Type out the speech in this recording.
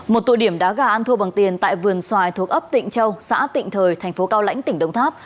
một tụ điểm đá gà ăn thua bằng tiền tại vườn xoài thuộc ấp tịnh châu xã tịnh thời thành phố cao lãnh tỉnh đồng tháp